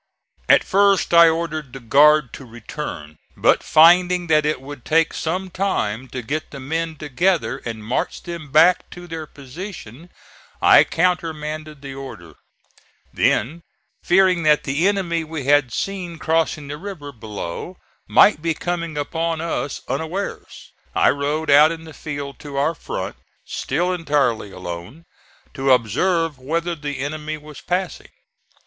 At first I ordered the guard to return, but finding that it would take some time to get the men together and march them back to their position, I countermanded the order. Then fearing that the enemy we had seen crossing the river below might be coming upon us unawares, I rode out in the field to our front, still entirely alone, to observe whether the enemy was passing.